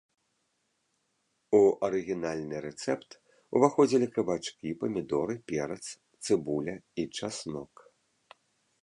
У арыгінальны рэцэпт ўваходзілі кабачкі, памідоры, перац, цыбуля і часнок.